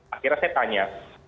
akhirnya saya tanya